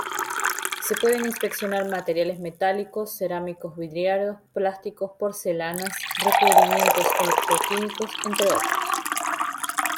Se pueden inspeccionar materiales metálicos, cerámicos vidriados, plásticos, porcelanas, recubrimientos electroquímicos, entre otros.